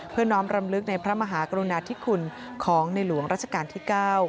น้อมรำลึกในพระมหากรุณาธิคุณของในหลวงราชการที่๙